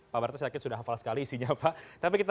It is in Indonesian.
saya sakit sudah hafal sekali isinya pak tapi kita